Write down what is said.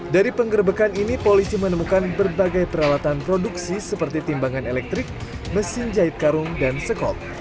dari penggerbekan ini polisi menemukan berbagai peralatan produksi seperti timbangan elektrik mesin jahit karung dan sekop